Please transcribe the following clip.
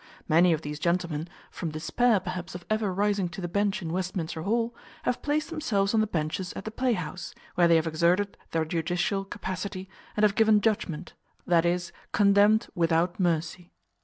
Many of these gentlemen, from despair, perhaps, of ever rising to the bench in Westminster hall, have placed themselves on the benches at the playhouse, where they have exerted their judicial capacity, and have given judgment, i.e., condemned without mercy.